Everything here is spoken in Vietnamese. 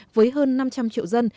với hơn năm trăm linh triệu dân